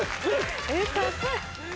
えっ高い。